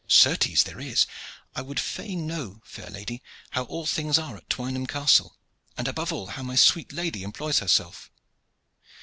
"Certes there is. I would fain know, fair lady, how all things are at Twynham Castle, and above all how my sweet lady employs herself."